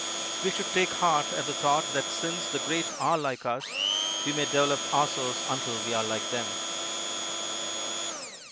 We should take heart at the thought that since the great are like us, we may develop ourselves until we are like them.